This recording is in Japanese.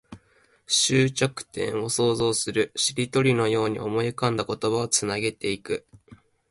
終着点を想像する。しりとりのように思い浮かんだ言葉をつなげていく。